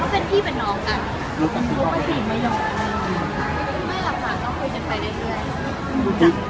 เพราะคนมองว่ารู้สึกที่ต้องลงคือตื่นแฟน